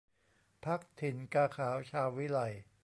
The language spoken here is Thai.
พรรคถิ่นกาขาวชาววิไล